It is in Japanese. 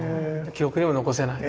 記録にも残せない。